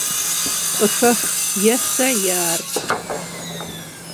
Къыхэх: е сэ е ар!